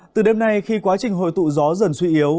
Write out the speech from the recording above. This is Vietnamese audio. từ đêm nay khi quá trình hội tụ gió dần suy yếu